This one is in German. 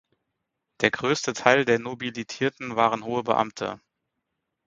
Der größte Teil der Nobilitierten waren hohe Beamte.